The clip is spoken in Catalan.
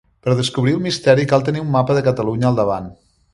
Per descobrir el misteri cal tenir un mapa de Catalunya al davant.